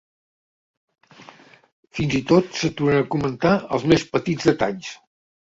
Fins i tot s'aturen a comentar els més petits detalls.